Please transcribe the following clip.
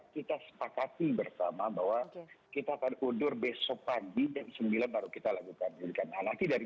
kita setakat bersama bahwa kita pada udur besok pagi dan sembilan baru kita lakukan jadikan alatnya dari